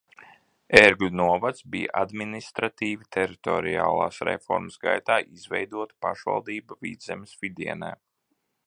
Ērgļu novads bija administratīvi teritoriālās reformas gaitā izveidota pašvaldība Vidzemes vidienē.